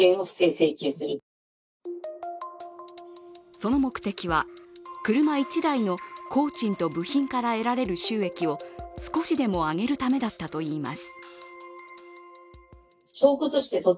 その目的は、車１台の工賃と部品から得られる収益を少しでも上げるためだったといいます。